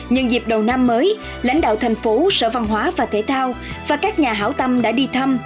nhân dịp đầu năm mới lãnh đạo thành phố sở văn hóa và thể thao và các nhà hảo tâm đã đi thăm